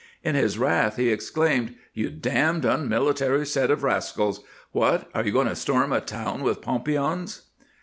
In his wrath he exclaimed :" You damned unmilitary set of rascals I What, are you going to storm a town with pompions